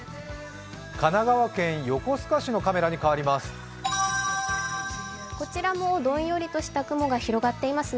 神奈川県横須賀市のカメラに替わります。